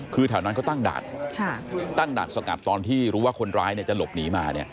คือแถวนั้นเขาตั้งด่านตั้งด่านสกัดตอนที่รู้ว่าคนร้ายจะหลบหนีมา